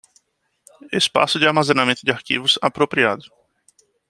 Espaço de armazenamento de arquivos apropriado